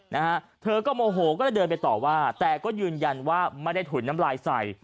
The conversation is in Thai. นะฮะเธอก็โมโหก็เลยเดินไปต่อว่าแต่ก็ยืนยันว่าไม่ได้ถุนน้ำลายใส่